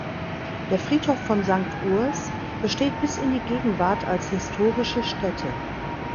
Der Friedhof von Sankt Urs besteht bis in die Gegenwart als historische Stätte.